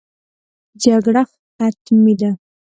جګړه حتمي ده.